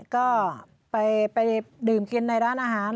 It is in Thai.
ก็ไปดื่มกินในร้านอาหาร